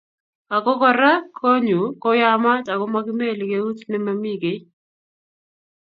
ako kora konyu koyamat ako makimelei keut nememi kiy